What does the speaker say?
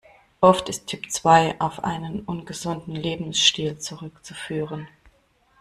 Oft ist Typ zwei auf einen ungesunden Lebensstil zurückzuführen.